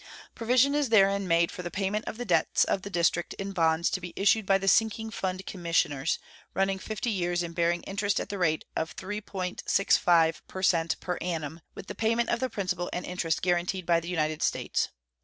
Provision is therein made for the payment of the debts of the District in bonds to be issued by the sinking fund commissioners, running fifty years and bearing interest at the rate of 3.65 per cent per annum, with the payment of the principal and interest guaranteed by the United States.